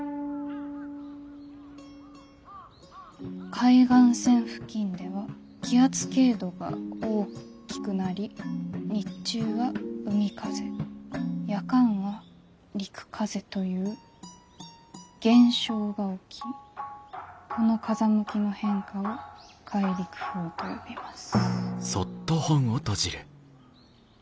「海岸線付近では気圧傾度が大きくなり日中は海風夜間は陸風という現象が起きこの風向きの変化を海陸風と呼びます」。